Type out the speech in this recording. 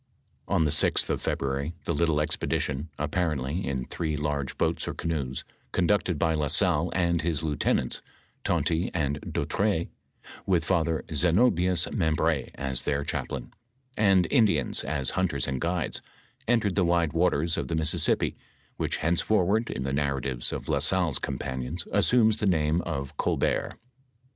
On the 6th of February, the little expedition, apparently in three large boats or canoes, conducted by La Salle and his lieutenants, Tonty and Dautray, with Father Zenobias Membr6, as their chaplain, and Indians as hunters and guides, entered the wide waters of the Mississippi, which henceforward, in the narratives of La Salle's companions assumes the name of Oolbert.